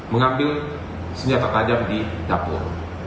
mengambil senjata tajam di dapur